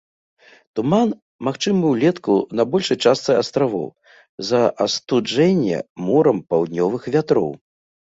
Туман магчымы ўлетку на большай частцы астравоў, з-за астуджэння морам паўднёвых вятроў.